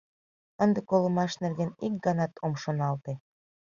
Ынде колымаш нерген ик ганат ом шоналте.